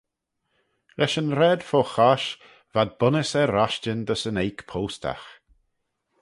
Lesh yn raad fo-chosh, v'ad bunnys er roshtyn dys yn oik postagh.